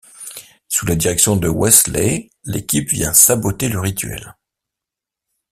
Sous la direction de Wesley, l'équipe vient saboter le rituel.